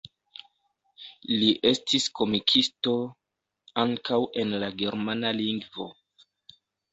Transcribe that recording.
Li estis komikisto ankaŭ en la germana lingvo.